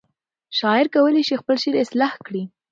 شاعر کولی شي خپل شعر اصلاح کړي.